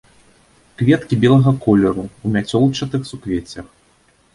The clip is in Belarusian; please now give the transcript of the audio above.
Кветкі белага колеру, у мяцёлчатых суквеццях.